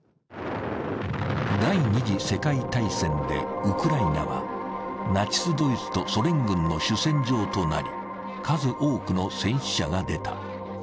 第二次世界大戦でウクライナはナチスドイツとソ連軍の主戦場となり、数多くの戦死者が出た。